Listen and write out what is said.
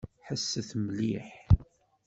Ḥesset mliḥ.